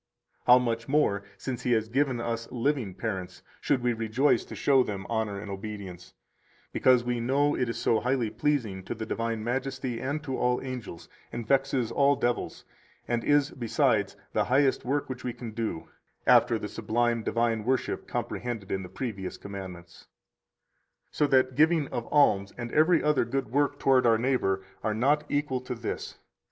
How much more, since He has given us living parents, should we rejoice to show them honor and obedience, because we know it is so highly pleasing to the Divine Majesty and to all angels, and vexes all devils, and is, besides, 126 the highest work which we can do, after the sublime divine worship comprehended in the previous commandments; so that giving of alms and every other good work toward our neighbor are not equal to this.